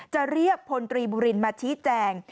จะเรียกพลตรีบุรินมาชี้แจง